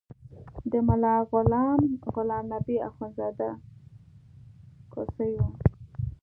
د ملا غلام غلام نبي اخندزاده کوسی و.